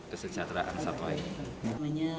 kesejahteraan satwa ini